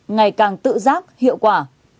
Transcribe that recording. ngày càng tự giác hiệu quả